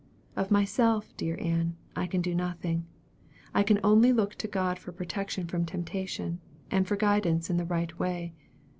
Of myself, dear Ann, I can do nothing. I can only look to God for protection from temptation, and for guidance in the right way.